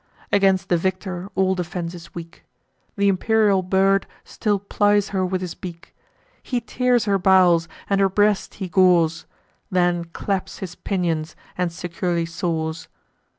Against the victor, all defence is weak: Th' imperial bird still plies her with his beak; He tears her bowels, and her breast he gores; Then claps his pinions, and securely soars.